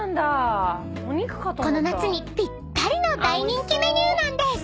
［この夏にぴったりの大人気メニューなんです］